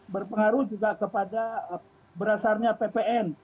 berpengaruh juga kepada berasarnya ppn